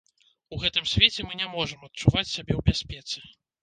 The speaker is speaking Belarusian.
У гэтым свеце мы не можам адчуваць сябе ў бяспецы.